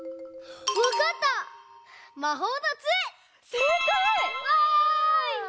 せいかい！わい！